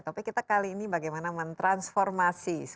topik kita kali ini bagaimana mentransformasi